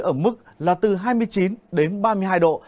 ở mức là từ hai mươi chín đến ba mươi hai độ